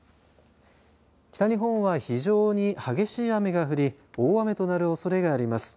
北日本は非常に激しい雨が降り大雨となるおそれがあります。